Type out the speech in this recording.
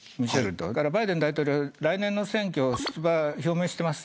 それからバイデン大統領は来年の選挙に出馬表明をしています。